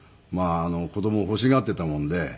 子どもを欲しがってたもんで。